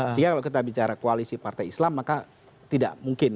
sehingga kalau kita bicara koalisi partai islam maka tidak mungkin